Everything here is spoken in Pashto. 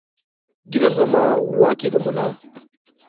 ږېره زما واک ېې د ملا